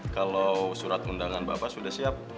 kalau surat undangan bapak sudah siap